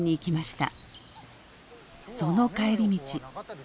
その帰り道。